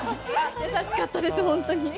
優しかったです、本当に。